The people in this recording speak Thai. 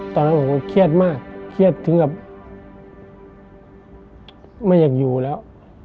ตอนนั้นผมก็เครียดมากเครียดถึงกับไม่อยากอยู่แล้ว